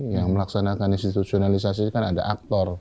yang melaksanakan institusionalisasi ini kan ada aktor